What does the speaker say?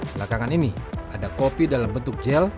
belakangan ini ada kopi dalam bentuk gel